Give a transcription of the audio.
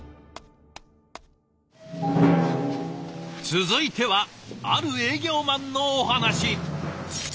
続いてはある営業マンのお話。